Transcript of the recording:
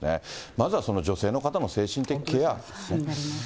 まずはその女性の方の精神的ケア。